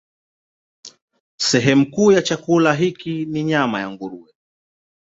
Sehemu kuu ya chakula hiki ni nyama ya nguruwe.